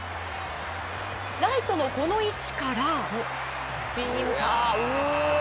ライトの、この位置から。